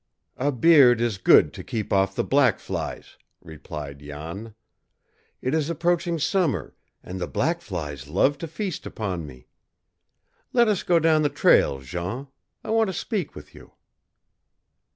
"A beard is good to keep off the black flies," replied Jan. "It is approaching summer, and the black flies love to feast upon me. Let us go down the trail, Jean. I want to speak with you."